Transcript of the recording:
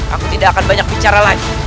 aku tidak akan banyak bicara lagi